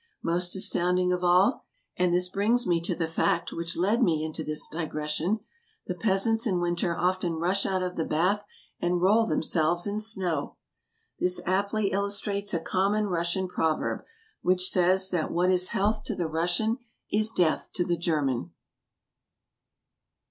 Most astounding of all — and this brings me to the fact which led me into this digression — the peasants in winter often rush out of the bath and roll themselves in snow! This aptly illustrates a common Russian proverb, which says that what is health to the Russian is death to the German.